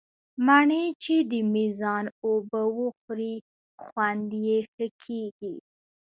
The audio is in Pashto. مڼې چې د مېزان اوبه وخوري، خوند یې ښه کېږي.